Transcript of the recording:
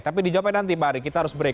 tapi dijawabkan nanti pak ari kita harus break